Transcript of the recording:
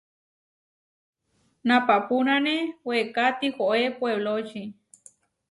Napapúnane weeká tihoé puebloči.